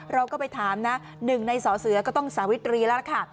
เราก็ไปถามนะหนึ่งในสอเสือก็ต้องสาวิตรีแล้วล่ะค่ะ